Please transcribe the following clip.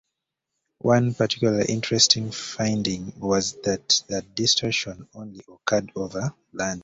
One particularly interesting finding was that the distortion only occurred over land.